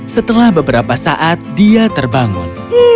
setelah beberapa saat dia terbangun